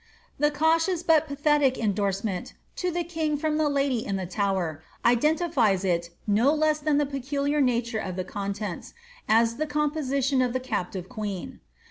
The cautious but pathetic indorsement, ^ To the King, from the hdje in the Tower,'' identifies it, no less than the peculiar nature of the con tents, as the composition of the captive queen.